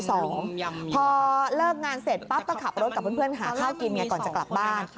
พอเลิกงานเสร็จปั๊บก็ขับรถกับเพื่อนหาข้าวกินไงก่อนจะกลับบ้าน